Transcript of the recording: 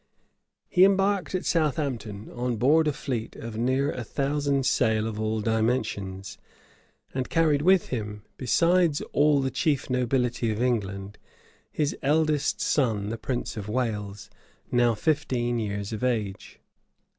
He embarked at Southampton on board a fleet of near a thousand sail of all dimensions; and carried with him, besides all the chief nobility of England, his eldest son, the prince of Wales, now fifteen years of age.